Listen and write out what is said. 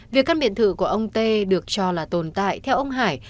việc căn biệt thự của ông tê được cho là tồn tại theo ông hải